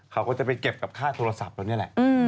เขาก็จะไปเก็บกับค่าโทรศัพท์เรานี่แหละ